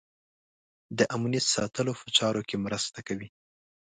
د امنیت ساتلو په چارو کې مرسته کوي.